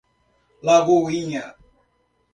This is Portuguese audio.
Lagoinha